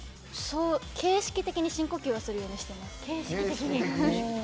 形式的に深呼吸をするようにしています。